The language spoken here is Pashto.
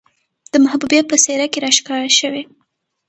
د محبوبې په څېره کې راښکاره شوې،